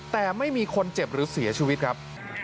แต่ไม่มีคนเจ็บหรือเสียชีวิตครับ